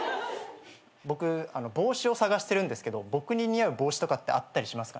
僕帽子を探してるんですけど僕に似合う帽子とかってあったりしますかね？